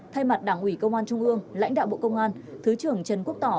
thay mặt đảng ủy công an trung ương lãnh đạo bộ công an thứ trưởng trần quốc tỏ